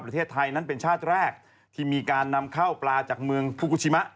ประเทศไทยนั้นเป็นชาติแรกที่มีการนำเข้าปลาจากเมืองฟูกูชิมะ